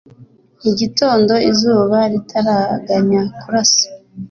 mu gitondo, izuba ritaraganya kurasa